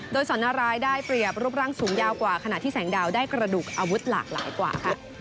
โดยสอนนารายได้เปรียบรูปร่างสูงยาวกว่าขณะที่แสงดาวได้กระดูกอาวุธหลากหลายกว่าค่ะ